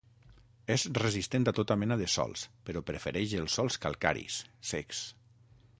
És resistent a tota mena de sòls, però prefereix els sòls calcaris, secs.